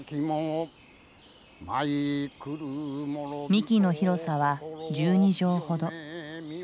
幹の広さは１２畳ほど。